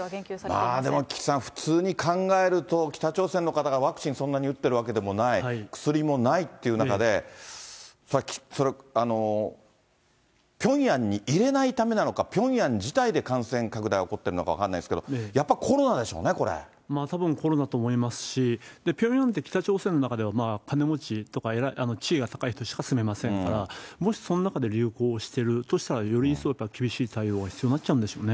まあでも岸さん、普通に考えると、北朝鮮の方がワクチンそんなに打ってるわけでもない、薬もないっていう中で、ピョンヤンに入れないためなのか、ピョンヤン自体で感染拡大が起こってるのか分かんないですけど、たぶんコロナと思いますし、ピョンヤンって北朝鮮の中では金持ちとか地位が高い人しか住めませんから、もしその中で流行してるとしたら、より一層厳しい対応が必要になっちゃうんでしょうね。